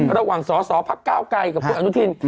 ระหว่างสอสอพักก้าวไกรกับคุณอนุทิน